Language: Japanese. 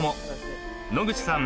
［野口さん